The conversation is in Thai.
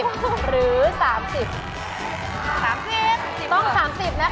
แพงกว่าแพงกว่าแพงกว่า